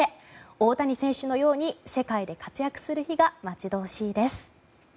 大谷選手のように世界で活躍する日が待ち遠しいです。